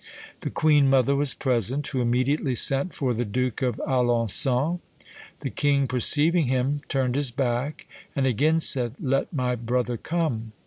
The queen mother was present, who immediately sent for the Duke of Alençon. The king perceiving him, turned his back, and again said, 'Let my brother come!'